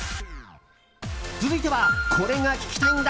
続いてはこれが聴きたいんだ！